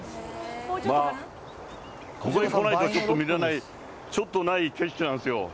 まあ、ここに来ないとちょっと見れない、ちょっとない景色なんですよ。